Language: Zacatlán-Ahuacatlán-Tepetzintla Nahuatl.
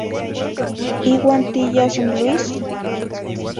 Iuah tiyas n Luis?